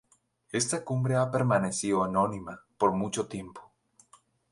Esta cumbre ha permanecido anónima por mucho tiempo.